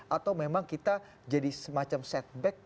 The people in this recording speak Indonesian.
atau memang kita jadi semacam setback